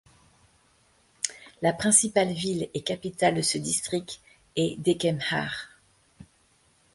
La principale ville et capitale de ce district est Dekemhare.